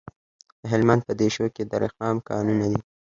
د هلمند په دیشو کې د رخام کانونه دي.